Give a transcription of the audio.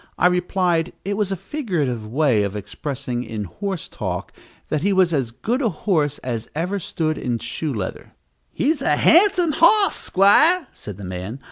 I replied, it was a figurative way of expressing, in horse talk, that he was as good a horse as ever stood in shoe leather. "He's a handsome hos, 'squire," said the man.